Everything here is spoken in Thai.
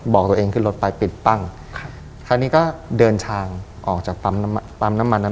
บอกตัวเองขึ้นรถไปปิดปั้งครับคราวนี้ก็เดินทางออกจากปั๊มน้ำปั๊มน้ำมันนั้น